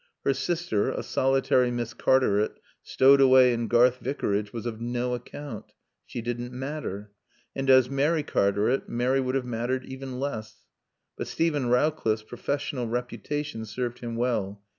Her sister, a solitary Miss Cartaret, stowed away in Garth Vicarage, was of no account. She didn't matter. And as Mary Cartaret Mary would have mattered even less. But Steven Rowcliffe's professional reputation served him well.